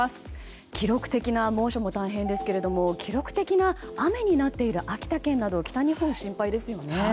記録的な猛暑も大変ですが記録的な雨になっている秋田県など北日本は心配ですよね。